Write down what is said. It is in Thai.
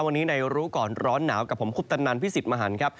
วันนี้ในรู้ก่อนร้อนหนาวกับผมคุปตันนันพิสิทธิ์มหันครับ